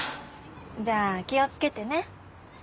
じゃあ気を付けてね。